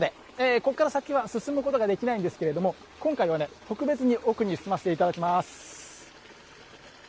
ここから先は進むことができないんですけれども今回は特別に奥に進ませていただきます。